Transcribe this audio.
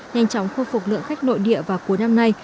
nhanh chóng khôi phục lượng khách nội địa vào cuối năm nay